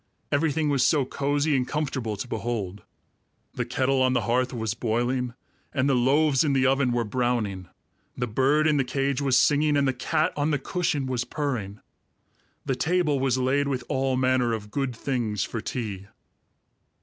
Everything was so cozy and comfortable to behold. The kettle on the hearth was boiling, and the loaves in the oven were browning; the bird in the cage was singing, and the cat on the cushion was purring. The table was laid with all manner of good things for tea.